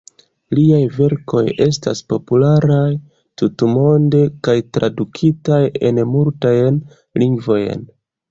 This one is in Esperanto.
Liaj verkoj estas popularaj tutmonde kaj tradukitaj en multajn lingvojn.